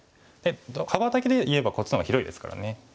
幅だけでいえばこっちの方が広いですからね。